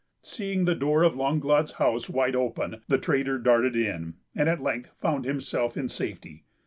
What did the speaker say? Seeing the door of Langlade's house wide open, the trader darted in, and at length found himself in safety.